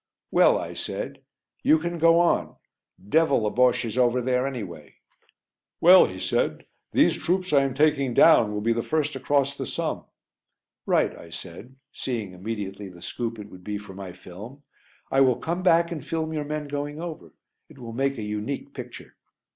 "Well?" I said, "you can go on devil a Bosche is over there anyway." "Well," he said, "these troops I am taking down will be the first across the Somme." "Right," I said, seeing immediately the scoop it would be for my film. "I will come back and film your men going over; it will make a unique picture."